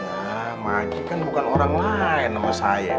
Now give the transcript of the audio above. nah maji kan bukan orang lain sama saya